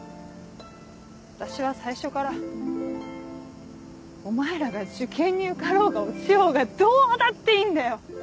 私は最初からお前らが受験に受かろうが落ちようがどうだっていいんだよ！